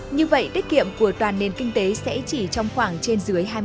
như vậy tiết kiệm của toàn nền kinh tế sẽ chỉ trong khoảng trên dưới hai mươi